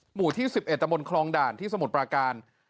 หมู่ที่๑๑ตะบนคลองด่านที่สมุทรปราการ